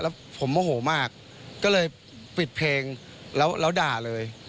แล้วผมโมโหมากก็เลยปิดเพลงแล้วด่าเลย